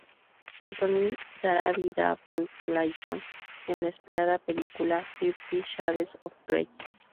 Anthony dará vida a Paul Clayton en la esperada película "Fifty Shades of Grey".